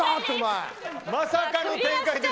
まさかの展開です。